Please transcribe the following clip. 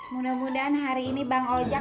mudah mudahan hari ini bang ojek